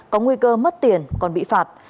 có nguy cơ mất tiền còn bị phạt